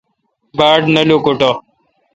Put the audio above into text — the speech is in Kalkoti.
باڑ نہ لوکوٹہ ۔